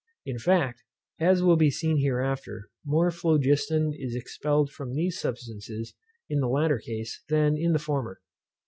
In fact, as will be seen hereafter, more phlogiston is expelled from these substances in the latter case than in the former.